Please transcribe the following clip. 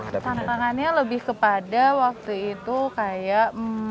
tantangannya lebih kepada waktu itu kayak